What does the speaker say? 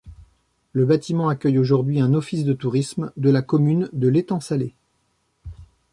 Le bâtiment accueille aujourd'hui un office de tourisme de la commune de L'Étang-Salé.